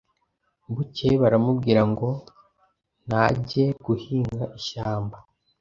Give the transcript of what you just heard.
Bukeye baramubwira ngo najye guhinga ishyamba